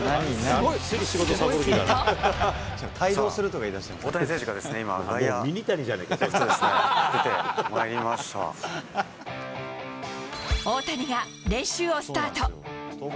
さあ、大谷選手がですね、大谷が練習をスタート。